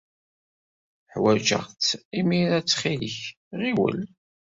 Ḥwajeɣ-tt imir-a. Ttxil-k, ɣiwel!